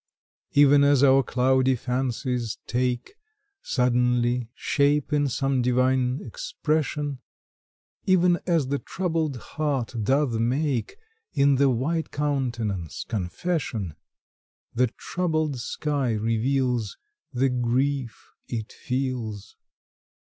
Even as our cloudy fancies take Suddenly shape in some divine expression, Even as the troubled heart doth make In the white countenance confession, The troubled sky reveals The grief it feels.